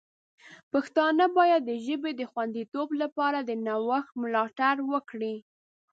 پښتانه باید د ژبې د خوندیتوب لپاره د نوښت ملاتړ وکړي.